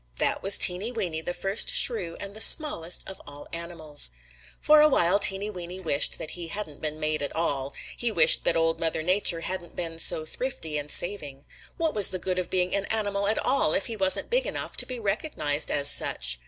That was Teeny Weeny, the first Shrew, and the smallest of all animals. "For a while Teeny Weeny wished that he hadn't been made at all. He wished that Old Mother Nature hadn't been so thrifty and saving. What was the good of being an animal at all if he wasn't big enough to be recognized as such?